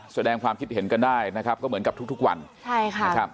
แสดงความคิดเห็นกันได้นะครับก็เหมือนกับทุกวันใช่ค่ะนะครับ